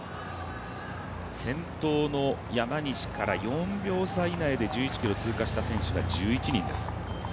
先頭の山西から、４秒差以内で１１秒を通過した選手が１１人です。